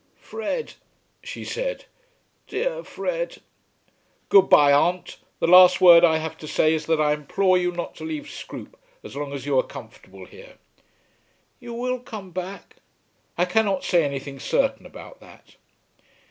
"Fred," she said; "dear Fred." "Good bye, aunt. The last word I have to say is that I implore you not to leave Scroope as long as you are comfortable here." "You will come back?" "I cannot say anything certain about that."